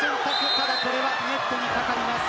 ただこれはネットに掛かります。